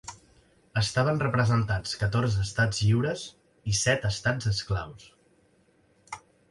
Estaven representats catorze estats lliures i set estats esclaus.